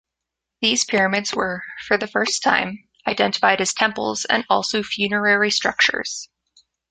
These pyramids were, for the first time, identified as temples and also funerary structures.